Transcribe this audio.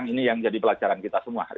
ini yang jadi pelajaran kita semua